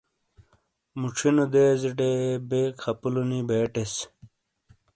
موچھونو دیزٹے بے خپلو نی بے ٹیس۔